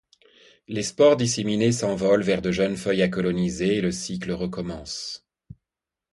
Les spores disséminées s'envolent vers de jeunes feuilles à coloniser et le cycle recommence.